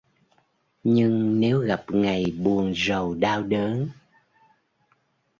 Nhưng nếu gặp ngày buồn rầu đau đớn